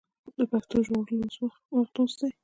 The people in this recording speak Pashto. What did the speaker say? د پښتو د ژغورلو وخت اوس دی.